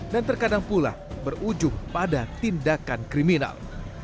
dan terkadang pula berujung pada tindakan kriminal